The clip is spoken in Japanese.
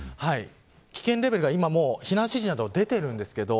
危険レベルが、今もう避難指示など出ているんですけど